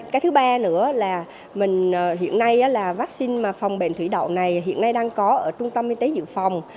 cái thứ ba nữa là mình hiện nay là vaccine phòng bệnh thủy đậu này hiện nay đang có ở trung tâm y tế dự phòng